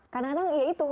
kadang kadang ya itu